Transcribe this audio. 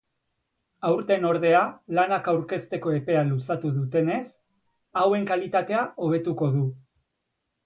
Aurten ordea lanak aurkezteko epea luzatu dutenez, hauen kalitatea hobetuko du.